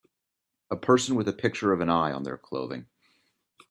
A person with a picture of an eye on their clothing.